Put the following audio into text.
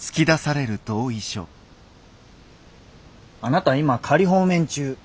あなた今仮放免中。